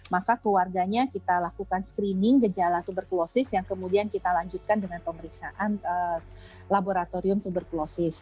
maka keluarganya kita lakukan screening gejala tuberkulosis yang kemudian kita lanjutkan dengan pemeriksaan laboratorium tuberkulosis